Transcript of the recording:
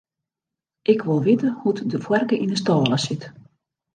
Ik wol witte hoe't de foarke yn 'e stâle sit.